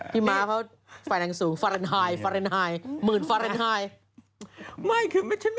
พี่ม้าเพราะว่าไฟนางสูง